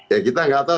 ya kita nggak tahu